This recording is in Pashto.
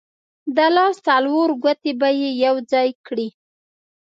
د لاس څلور ګوتې به یې یو ځای کړې.